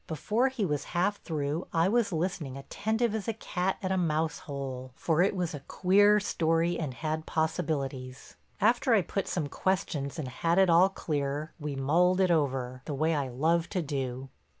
Before he was half through I was listening attentive as a cat at a mouse hole, for it was a queer story and had possibilities. After I put some questions and had it all clear, we mulled it over—the way I love to do.